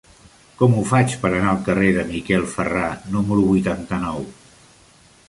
Com ho faig per anar al carrer de Miquel Ferrà número vuitanta-nou?